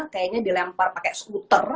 kayaknya dilempar pakai skuter